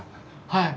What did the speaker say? はい。